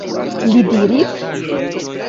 Ili diris: